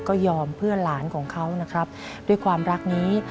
ก็ยอมเพื่อหลานของเขานะครับด้วยความรักนี้